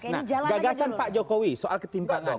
nah gagasan pak jokowi soal ketimpangan